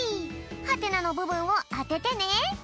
はてなのぶぶんをあててね。